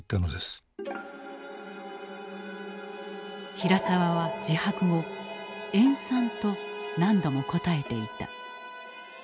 平沢は自白後「塩酸」と何度も答えていた。